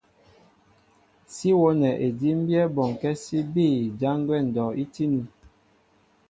Sí wónɛ edímbyɛ́ bɔŋkɛ́ sí bîy jǎn gwɛ́ ndɔ' í tíní.